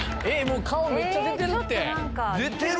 顔めっちゃ出てるって。